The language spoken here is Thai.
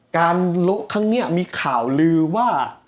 โละครั้งนี้มีข่าวลือว่า